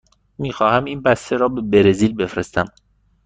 می خواهم این بسته را به برزیل بفرستم.